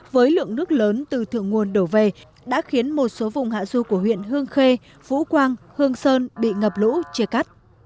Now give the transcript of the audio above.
với lượng nước lớn từ thượng nguồn đổ về đã khiến một số vùng hạ du của huyện hương khê vũ quang hương sơn bị ngập lũ chia cắt